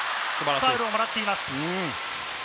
ファウルをもらっています。